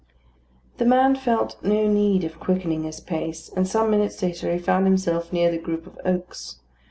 The man felt no need of quickening his pace; and some minutes later he found himself near the group of oaks.